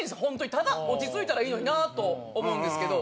ただ落ち着いたらいいのになと思うんですけど。